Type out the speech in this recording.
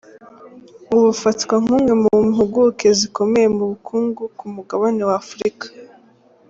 Ubu afatwa nk’umwe mu mpuguke zikomeye mu bukungu ku mugabane wa Afurika.